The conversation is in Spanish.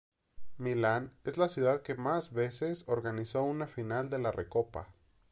Milán es la ciudad que más veces organizó una final de la Recopa.